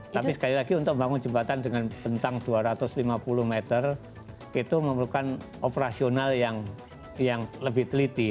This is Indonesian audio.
tapi sekali lagi untuk membangun jembatan dengan bentang dua ratus lima puluh meter itu memerlukan operasional yang lebih teliti